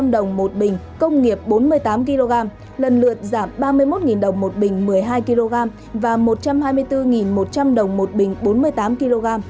một tám trăm hai mươi bốn ba trăm linh đồng một bình công nghiệp bốn mươi tám kg lần lượt giảm ba mươi một đồng một bình một mươi hai kg và một trăm hai mươi bốn một trăm linh đồng một bình bốn mươi tám kg